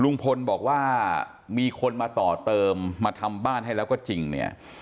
ลุงพลบอกว่ามีคนมาต่อเติมมาทำบ้านให้แล้วก็จริงเนี่ย